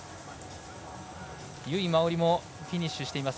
由井真緒里もフィニッシュしています。